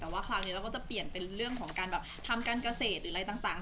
แต่ว่าคราวนี้เราก็จะเปลี่ยนเป็นเรื่องของการแบบทำการเกษตรหรืออะไรต่าง